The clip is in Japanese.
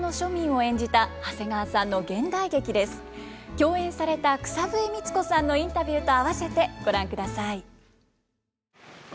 共演された草笛光子さんのインタビューとあわせてご覧ください。